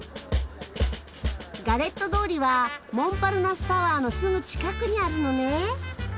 ガレット通りはモンパルナス・タワーのすぐ近くにあるのね。